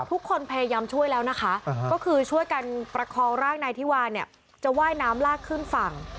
ทุกคนพยายามช่วยแล้วนะคะก็คือช่วยกันประคองร่างนายธิวาเนี่ยจะว่ายน้ำลากขึ้นฝั่ง